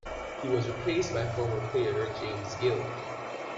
He was replaced by former player James Gill.